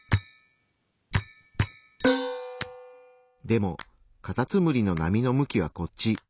でもカタツムリの波の向きはこっち。